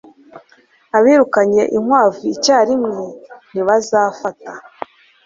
Abirukanye inkwavu icyarimwe ntibazafata